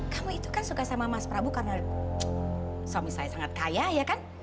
kamu itu kan suka sama mas prabu karena suami saya sangat kaya ya kan